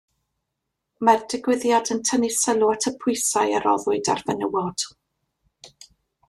Mae'r digwyddiad yn tynnu sylw at y pwysau a roddwyd ar fenywod.